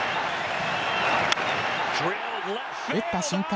打った瞬間